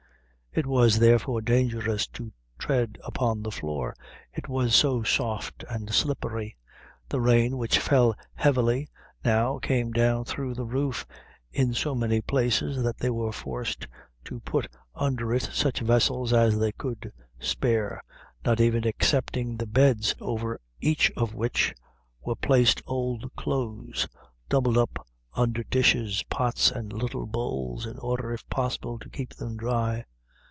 It was therefore, dangerous to tread upon the floor, it was so soft and slippery. The rain, which fell heavily, now came down through the roof in so many places that they were forced to put under it such vessels as they could spare, not even excepting the beds over each of which were placed old clothes, doubled up under dishes, pots, and little bowls, in order, if possible, to keep them dry.